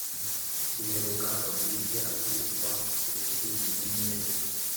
duheruka fabric akubitwa urushyi inyenyeri